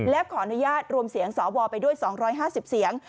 และขออนุญาตรวมเสียงสวไปด้วย๒๕๐เสียง